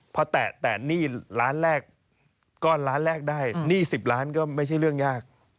พอแตะหนี้ล้านแรกก้อนล้านแรกได้หนี้๑๐ล้านก็ไม่ใช่เรื่องยาก